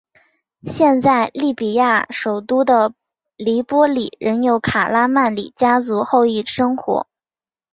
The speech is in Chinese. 现在利比亚首都的黎波里仍有卡拉曼里家族后裔生活。